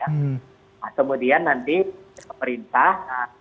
nah kemudian nanti pemerintah